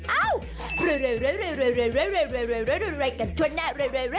เอ้าร่อยกันช่วงหน้า